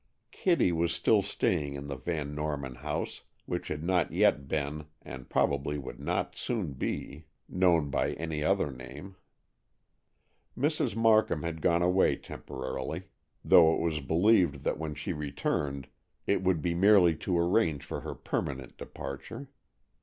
Kitty was still staying in the Van Norman house, which had not yet been, and probably would not soon be, known by any other name. Mrs. Markham had gone away temporarily, though it was believed that when she returned it would be merely to arrange for her permanent departure.